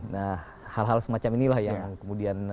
nah hal hal semacam inilah yang kemudian